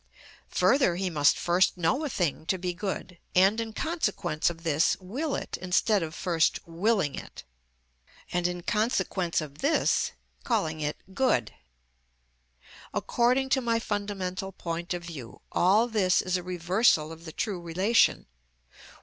Further, he must first know a thing to be good, and in consequence of this will it, instead of first willing it, and in consequence of this calling it good. According to my fundamental point of view, all this is a reversal of the true relation.